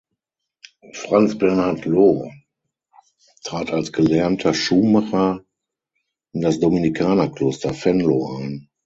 Franz Bernhard Loh trat als gelernter Schuhmacher in das Dominikanerkloster Venlo ein.